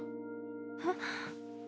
えっ？